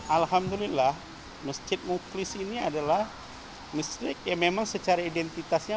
alhamdulillah masjid muklis ini adalah masjid yang memang secara identitasnya